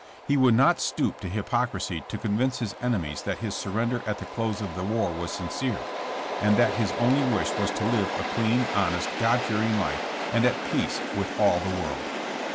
He would not stoop to hypocrisy to convince his enemies that his surrender at the close of the war was sincere, and that his only wish was to live a clean, honest, God fearing life, and at peace with all the world.